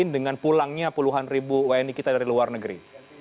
dengan pulangnya puluhan ribu wni kita dari luar negeri